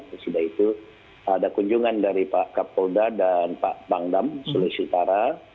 sesudah itu ada kunjungan dari pak kapolda dan pak pangdam sulawesi utara